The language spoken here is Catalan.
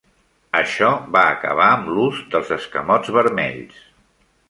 Això va acabar amb l'ús dels escamots vermells.